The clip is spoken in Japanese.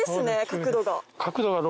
角度が。